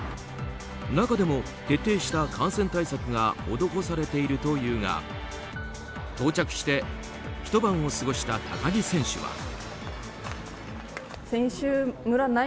中でも徹底した感染対策が施されているというが到着して一晩を過ごした高木選手は。